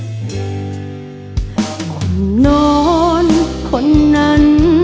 คุมโหนคนนั้น